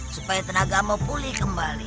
supaya tenagamu pulih kembali